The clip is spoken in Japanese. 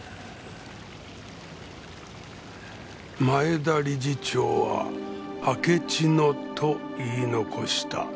前田理事長は「あけちの」と言い残した